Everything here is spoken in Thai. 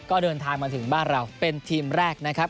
ก็เดินทางมาถึงบ้านเราเป็นทีมแรกนะครับ